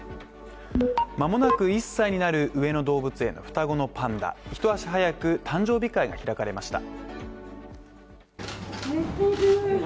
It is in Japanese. まもなく１歳になる上野動物園の双子のパンダ、一足早く誕生日会が開かれました。